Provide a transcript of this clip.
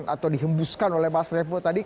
atau dihembuskan oleh mas revo tadi